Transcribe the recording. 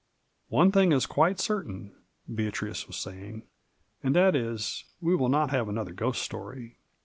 ^' One thing is qaite certain,'' Beatrice was saying, "and that is, we will not have another ghost story.